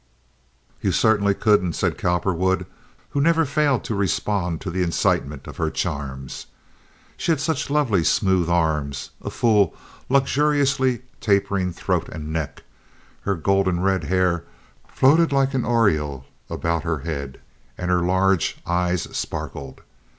"You certainly couldn't," said Cowperwood, who never failed to respond to the incitement of her charms. She had such lovely smooth arms, a full, luxuriously tapering throat and neck; her golden red hair floated like an aureole about her head, and her large eyes sparkled.